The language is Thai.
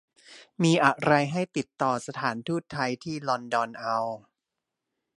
มีอะไรให้ติดต่อสถานทูตไทยที่ลอนดอนเอา